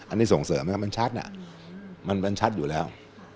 อันนี้ส่งเสริมไหมครับมันชัดมันชัดอยู่แล้ว